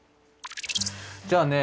じゃあね